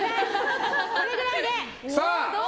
これぐらいで！